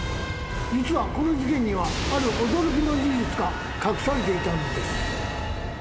実はこの事件にはある驚きの事実が隠されていたのです。